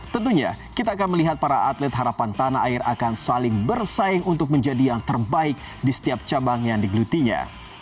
tentunya kita akan melihat para atlet harapan tanah air akan saling bersaing untuk menjadi yang terbaik di setiap cabang yang digelutinya